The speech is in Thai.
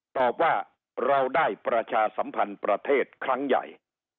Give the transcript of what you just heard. ตอบว่าเราได้ประชาสัมพันธ์ประเทศครั้งใหญ่